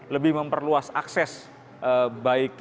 lebih memperbaiki kesehatan industri